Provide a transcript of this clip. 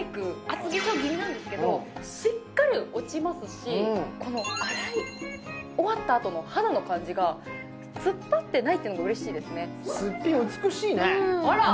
厚化粧気味なんですけどしっかり落ちますしこの洗い終わったあとの肌の感じがつっぱってないっていうのが嬉しいですねあら！